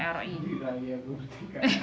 hari raya kemerdekaan